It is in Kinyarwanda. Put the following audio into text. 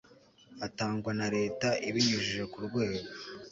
atangwa na leta ibinyujije ku rwego